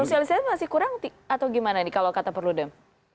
sosialisasi masih kurang atau gimana ini kalau kata perludem